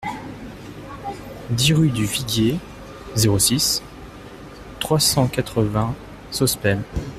dix rue du Viguier, zéro six, trois cent quatre-vingts Sospel